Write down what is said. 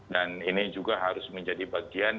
dan ini juga harus menjadi bagian